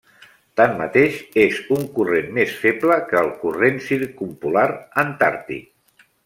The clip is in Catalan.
Tanmateix, és un corrent més feble que el corrent Circumpolar Antàrtic.